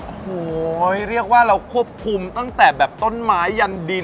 โอ้โหเรียกว่าเราควบคุมตั้งแต่แบบต้นไม้ยันดิน